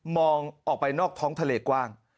มองออกไปนอกท้องทะเลกว้าง